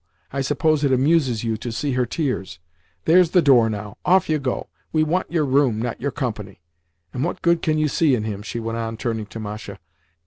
I suppose it amuses you to see her tears. There's the door, now. Off you go! We want your room, not your company. And what good can you see in him?" she went on, turning to Masha.